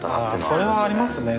それはありますね。